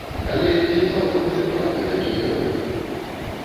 Але ці цалкам адэкватны такі ярлык?